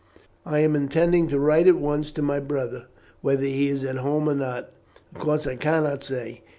"I am intending to write at once to my brother. Whether he is at home or not, of course I cannot say.